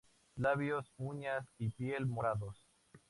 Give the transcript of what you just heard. Labios, uñas y piel morados.